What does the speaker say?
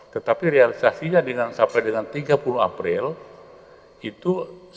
tetapi realisasinya dengan sampai dengan tiga puluh april itu satu lima puluh tiga